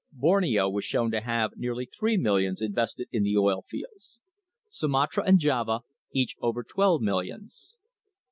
Borneo was shown to have nearly three millions in vested in the oil fields; Sumatra and Java each over twelve millions.